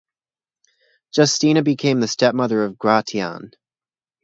Justina became the stepmother of Gratian.